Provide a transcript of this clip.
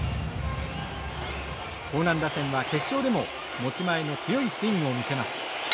興南打線は決勝でも持ち前の強いスイングを見せます。